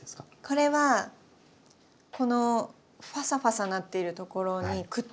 これはこのファサファサなっているところにくっつく。